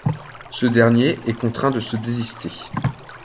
Ce dernier est contraint de se désister.